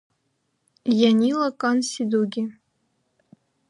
Янила кьанси дуги.